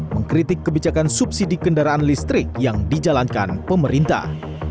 mengkritik kebijakan subsidi kendaraan listrik yang dijalankan pemerintah